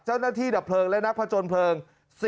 เจ้าหน้าที่ตดเพลิงและนักผจญเพลิง